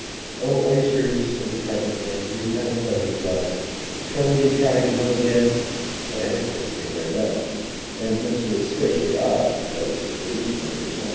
'O Oysters,' said the Carpenter, 'You've had a pleasant run! Shall we be trotting home again?' But answer came there none And this was scarcely odd, because They'd eaten ever